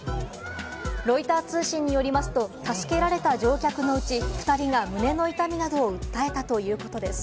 ロイター通信によりますと、助けられた乗客のうち２人が胸の痛みなどを訴えたということです。